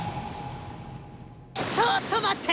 ちょっと待って！